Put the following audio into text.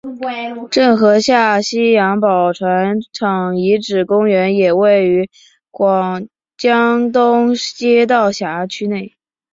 郑和下西洋宝船厂遗址公园也位于江东街道辖区内。